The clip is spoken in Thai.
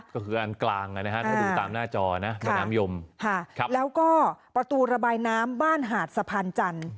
ก็คืออันกลางนะฮะถ้าดูตามหน้าจอนะแม่น้ำยมแล้วก็ประตูระบายน้ำบ้านหาดสะพานจันทร์